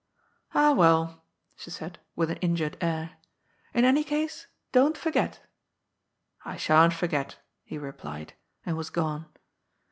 "Ah, well !" she said, with an injured air. " In any case, don't forget." " I sha'n't forget," he replied, and was gone.